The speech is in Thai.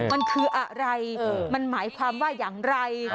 มันคืออะไรมันหมายความว่าอย่างไร